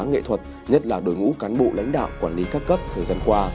nghệ thuật nhất là đội ngũ cán bộ lãnh đạo quản lý các cấp thời gian qua